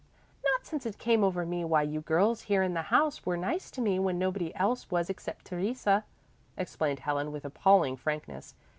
"Not since it came over me why you girls here in the house were nice to me when nobody else was except Theresa," explained Helen with appalling frankness.